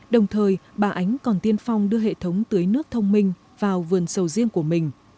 đồng thời bà ánh còn tiên phong đưa hệ thống tưới nước thông minh vào vườn sầu riêng của mình